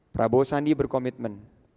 prabowo sandi berkomitmen